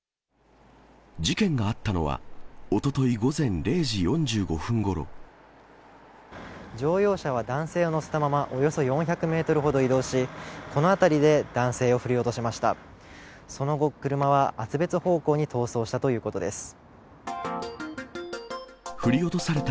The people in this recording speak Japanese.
事件があったのは、乗用車は男性を乗せたまま、およそ４００メートルほど移動し、この辺りで男性を振り落としました。